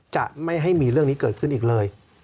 จะไม่ให้มีเรื่องนี้เกิดขึ้นอีกเลย